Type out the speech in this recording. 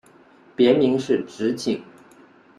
别名是直景。